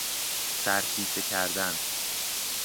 سر کیسه کردن